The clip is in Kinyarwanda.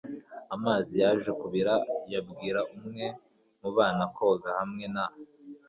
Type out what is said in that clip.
amazi yaje kubira, yabwira umwe mubana koga hamwe na